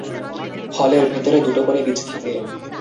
ফলের ভেতরে দুটো করে বীজ থাকে।